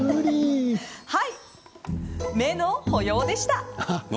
はい、目の保養でした。